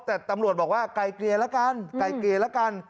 แต่ตำรวจบอกว่าไกลเกลี่ยแล้วกันไกลเกลี่ยแล้วกัน